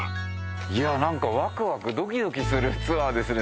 いやなんかワクワクドキドキするツアーですね。